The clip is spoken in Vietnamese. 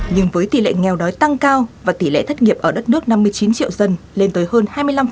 nhưng với tỷ lệ nghèo đói tăng cao và tỷ lệ thất nghiệp ở đất nước năm mươi chín triệu dân lên tới hơn hai mươi năm